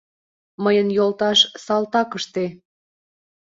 Мыйын йолташ салтакыште